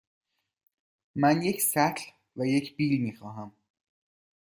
من یک سطل و یک بیل می خواهم.